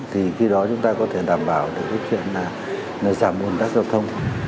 thì khi đó chúng ta có thể đảm bảo được cái chuyện là giảm bùn tắc giao thông